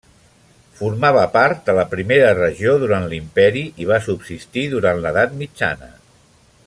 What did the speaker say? Formava part de la primera regió durant l'imperi i va subsistir durant l'edat mitjana.